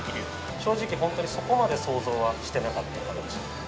正直、本当にそこまで想像はしてなかった感じ。